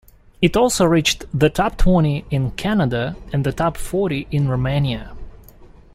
It also reached the top twenty in Canada, and the top forty in Romania.